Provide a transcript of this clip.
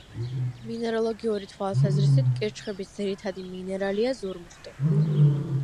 მინეროლოგიური თვალსაზრისით, კირჩხიბის ძირითადი მინერალია: ზურმუხტი.